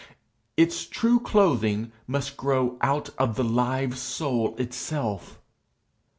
Its true clothing must grow out of the live soul itself.